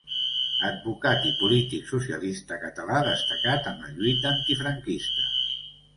Advocat i polític socialista català destacat en la lluita antifranquista.